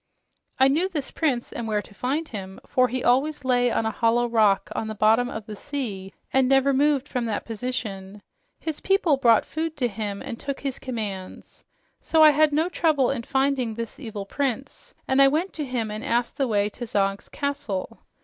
"I knew this prince and where to find him, for he always lay on a hollow rock on the bottom of the sea and never moved from that position. His people brought food to him and took his commands. So I had no trouble in finding this evil prince, and I went to him and asked the way to Zog's castle.